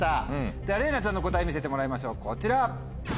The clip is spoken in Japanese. ではれいなちゃんの答え見せてもらいましょうこちら！